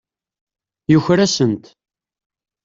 Yuker-asent.